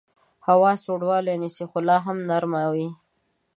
هوا سوړوالی نیسي خو لاهم نرمه وي